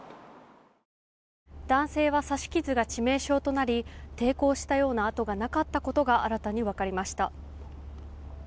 男性は刺し傷が致命傷となり抵抗したような痕がなかったことが新たに分かりました。